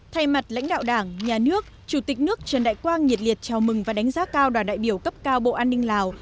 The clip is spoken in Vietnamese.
thay mặt lãnh đạo đảng nhà nước chủ tịch nước trần đại quang nhiệt liệt chào mừng và đánh giá cao đoàn đại biểu cấp cao bộ an ninh lào